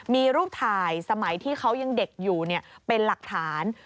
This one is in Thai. มีรูปถ่ายสมัยที่เขายังเด็กอยู่เป็นหลักฐาน